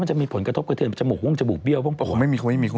ไม่ใช่ตื่นเป็นอะไรไม่เป็นไร